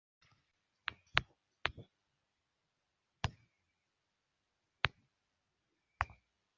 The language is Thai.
อดีตนักร้องวง